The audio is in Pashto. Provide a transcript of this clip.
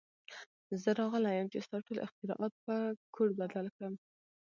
زه راغلی یم چې ستا ټول اختراعات په کوډ بدل کړم